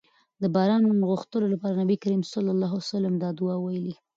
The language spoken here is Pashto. د باران غوښتلو لپاره نبي کريم صلی الله علیه وسلم دا دعاء ويلي